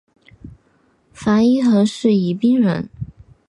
樊一蘅是宜宾人。